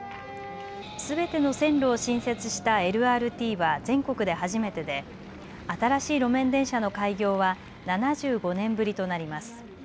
すべての線路を新設したＬＲＴは全国で初めてで新しい路面電車の開業は７５年ぶりとなります。